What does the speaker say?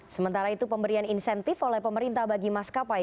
sementara itu pemberian insentif oleh pemerintah bagi maskapai